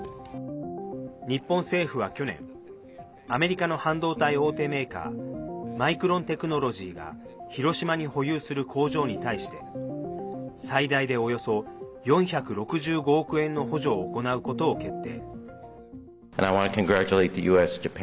日本政府は去年アメリカの半導体大手メーカーマイクロンテクノロジーが広島に保有する工場に対して最大で、およそ４６５億円の補助を行うことを決定。